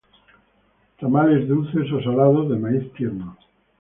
Tamales dulces ó salados de maíz tierno.